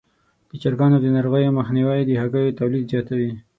د چرګانو د ناروغیو مخنیوی د هګیو تولید زیاتوي.